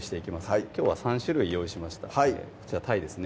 はいきょうは３種類用意しましたこちらたいですね